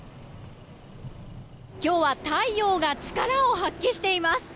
今日は太陽が力を発揮しています。